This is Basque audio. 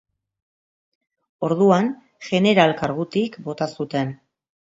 Orduan, jeneral kargutik bota zuten.